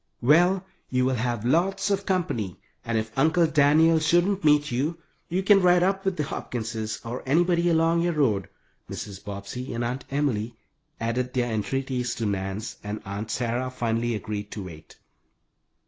"Well, you will have lots of company, and if Uncle Daniel shouldn't meet you, you can ride up with the Hopkinses or anybody along your road." Mrs. Bobbsey and Aunt Emily added their entreaties to Nan's, and Aunt Sarah finally agreed to wait.